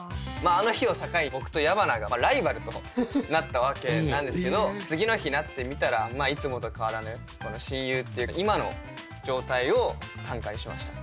あの日を境に僕と矢花がライバルとなったわけなんですけど次の日になってみたらいつもと変わらぬこの親友っていう今の状態を短歌にしました。